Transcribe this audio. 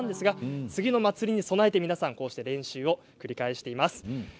次の祭りに備えて練習を繰り返しています。